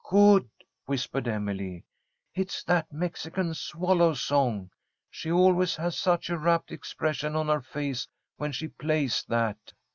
"Good!" whispered Emily. "It's that Mexican swallow song. She always has such a rapt expression on her face when she plays that.